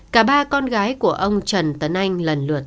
cả ba con gái của ông trần tấn anh lần lượt